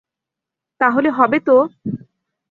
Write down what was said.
তাহলে হবে তো?